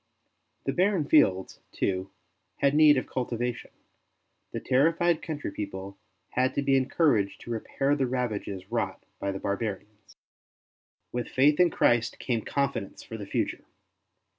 The barren fields, too, had need of cultiva tion; the terrified country people had to be encouraged to repair the ravages wrought by the barbarians. With faith in Christ came confidence for the future.